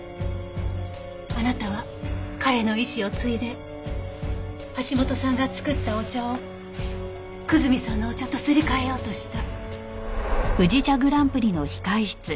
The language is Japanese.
あなたは彼の遺志を継いで橋本さんが作ったお茶を久住さんのお茶とすり替えようとした。